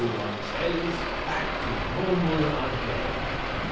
one says. "Back to normal again!"